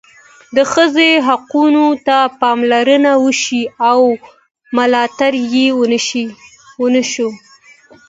د ښځو حقوقو ته پاملرنه وشوه او ملاتړ یې وشو.